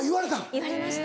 言われました。